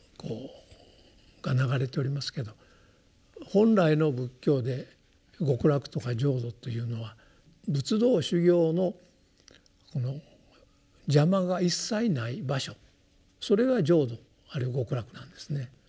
本来の仏教で極楽とか浄土というのは仏道修行の邪魔が一切ない場所それが浄土あるいは極楽なんですね。